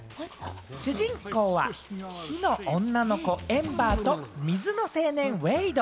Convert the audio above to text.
主人公は火の女の子・エンバーと、水の青年・ウェイド。